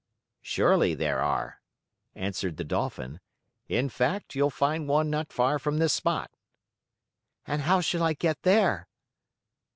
"Surely, there are," answered the Dolphin. "In fact you'll find one not far from this spot." "And how shall I get there?"